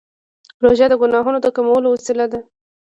روژه د ګناهونو د کمولو وسیله ده.